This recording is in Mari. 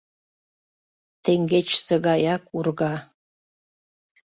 Теҥгечсе гаяк урга.